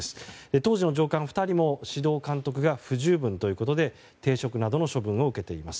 当時の上官２人も指導・監督が不十分ということで停職などの処分を受けています。